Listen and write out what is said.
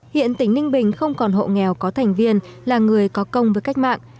hiện tỉnh ninh bình không còn hộ nghèo có thành viên là người có công với cách mạng